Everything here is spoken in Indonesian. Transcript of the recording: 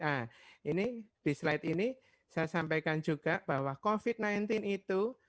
nah ini di slide ini saya sampaikan juga bahwa covid sembilan belas itu